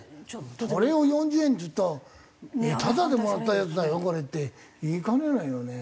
それを４０円っていったら「タダでもらったやつだよこれ」って言いかねないよね。